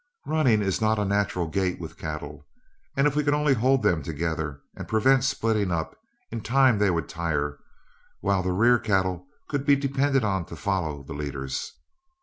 Running is not a natural gait with cattle, and if we could only hold them together and prevent splitting up, in time they would tire, while the rear cattle could be depended on to follow the leaders.